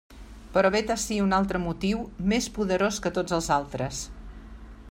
Però vet ací un altre motiu més poderós que tots els altres.